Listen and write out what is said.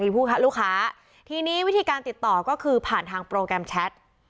มีผู้ลูกค้าทีนี้วิธีการติดต่อก็คือผ่านทางโปรแกรมแชท